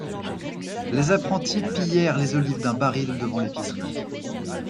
Les apprentis pillèrent les olives d'un baril devant l'épicerie.